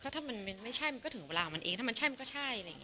ถ้ามันไม่ใช่ก็ถึงเวลามันเองถ้ามันใช่มันก็ใช่